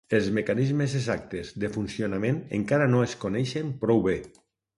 Els mecanismes exactes de funcionament encara no es coneixen prou bé.